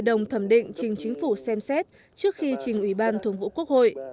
cảm định trình chính phủ xem xét trước khi trình ủy ban thủ vũ quốc hội